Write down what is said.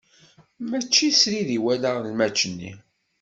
Mačči srid i walaɣ lmač-nni.